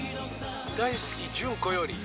「大好き順子より」